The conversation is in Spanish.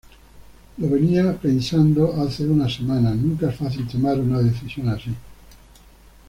Lo venía pensando hace unas semanas, nunca es fácil tomar una decisión así.